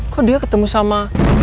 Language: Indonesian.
kok dia ketemu sama